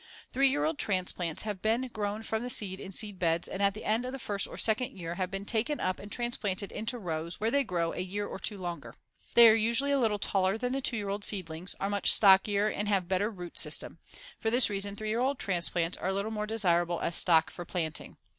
Three year old "transplants" have been grown from the seed in seed beds and at the end of the first or second year have been taken up and transplanted into rows, where they grow a year or two longer. They are usually a little taller than the two year old seedlings, are much stockier and have a better root system. For this reason, three year old transplants are a little more desirable as stock for planting.